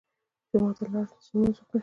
جومات ته لاړ چې لمونځ وکړي.